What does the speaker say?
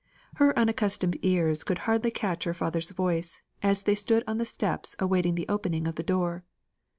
Her unaccustomed ears could hardly catch her father's voice, as they stood on the steps awaiting the opening of the door.